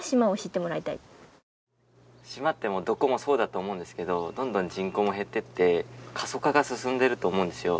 島ってどこもそうだと思うんですけどどんどん人口も減ってって過疎化が進んでると思うんですよ